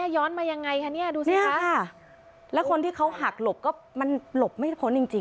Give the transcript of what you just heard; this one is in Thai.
ย้อนมายังไงคะเนี่ยดูสิคะแล้วคนที่เขาหักหลบก็มันหลบไม่พ้นจริง